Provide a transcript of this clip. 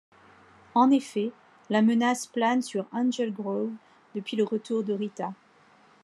En effet, la menace plane sur Angel Grove, depuis le retour de Rita.